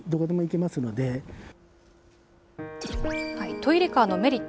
トイレカーのメリット